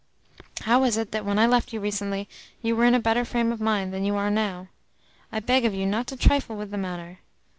How is it that when I left you recently you were in a better frame of mind than you are now? I beg of you not to trifle with the matter.